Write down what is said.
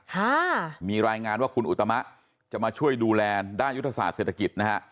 ค่ะมีรายงานว่าคุณอุตมะจะมาช่วยดูแลด้านยุทธศาสตร์เศรษฐกิจนะฮะ